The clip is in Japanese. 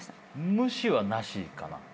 無視はなしかな？